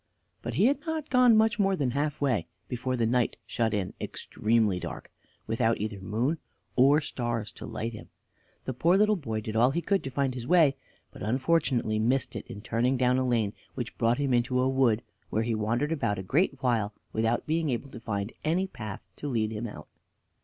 But he had not gone much more than half way before the night shut in extremely dark, without either moon or stars to light him. The poor little boy did all he could to find his way, but unfortunately missed it in turning down a lane which brought him into a wood, where he wandered about a great while without being able to find any path to lead him out.